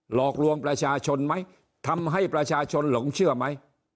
หลอกลวงประชาชนไหมทำให้ประชาชนหลงเชื่อไหม